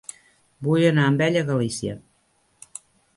Vull anar amb ell a Galícia.